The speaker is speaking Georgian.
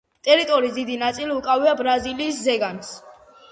ტერიტორიის დიდი ნაწილი უკავია ბრაზილიის ზეგანს.